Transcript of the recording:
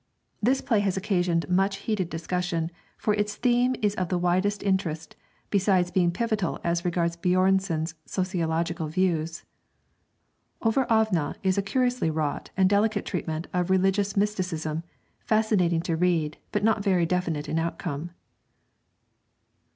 This play has occasioned much heated discussion, for its theme is of the widest interest, besides being pivotal as regards Björnson's sociological views. 'Over Ævne' is a curiously wrought and delicate treatment of religious mysticism, fascinating to read, but not very definite in outcome.